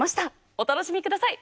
お楽しみ下さい。